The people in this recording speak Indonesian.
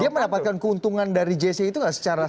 dia mendapatkan keuntungan dari jc itu nggak secara